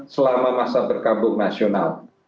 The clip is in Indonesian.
selama masa berkambung nasional